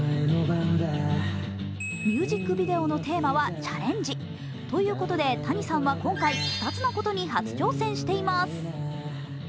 ミュージックビデオのテーマは「チャレンジ」。ということでＴａｎｉさんは今回２つのことに初挑戦しています。